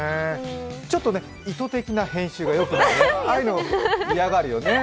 ちょっと意図的な編集がよくない、ああいうの、嫌がるよね。